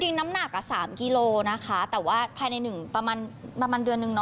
จริงน้ำหนัก๓กิโลนะคะแต่ว่าภายในประมาณเดือนหนึ่ง